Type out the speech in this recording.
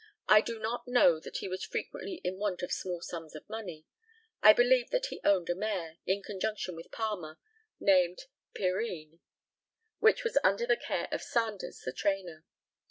I do not know that he was frequently in want of small sums of money. I believe that he owned a mare, in conjunction with Palmer, named Pyrrhine, which was under the care of Sandars, the trainer.